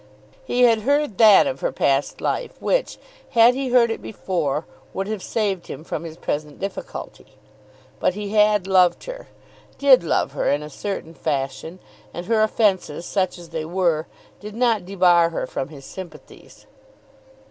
He had heard that of her past life which, had he heard it before, would have saved him from his present difficulty. But he had loved her, did love her in a certain fashion; and her offences, such as they were, did not debar her from his sympathies.